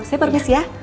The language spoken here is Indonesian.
saper miss ya